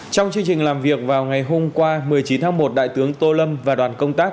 trong chương trình làm việc vào ngày hôm qua một mươi chín tháng một đại tướng tô lâm và đoàn công tác